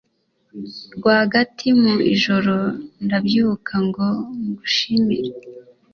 rwagati mu ijoro ndabyuka ngo ngushimire